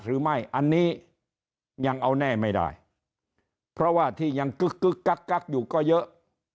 หรือไม่อันนี้ยังเอาแน่ไม่ได้เพราะว่าที่ยังกึ๊กกึ๊กกักกักอยู่ก็เยอะ